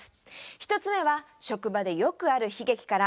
１つ目は職場でよくある悲劇から。